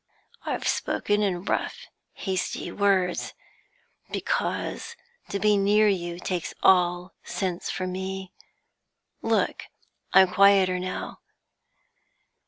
I've spoken in rough, hasty words, because to be near you takes all sense from me. Look, I'm quieter now.